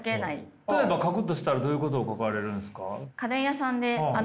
例えば書くとしたらどういうことを書かれるんですか？